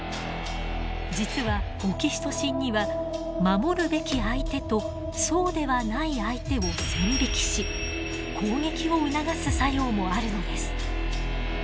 実はオキシトシンには守るべき相手とそうではない相手を線引きし攻撃を促す作用もあるのです。